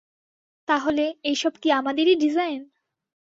তাহলে, এই সব কি আমাদেরই ডিজাইন?